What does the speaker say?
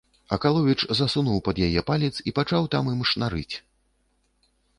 Акаловіч засунуў пад яе палец і пачаў там ім шнарыць.